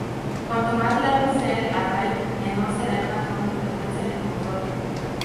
Cuanto más largo sea el array, menor será el patrón de frecuencia de control.